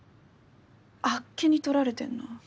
あっけにとられてんの。